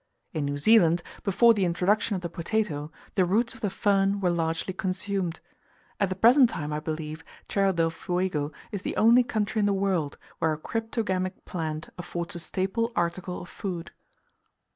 In New Zealand, before the introduction of the potato, the roots of the fern were largely consumed; at the present time, I believe, Tierra del Fuego is the only country in the world where a cryptogamic plant affords a staple article of food.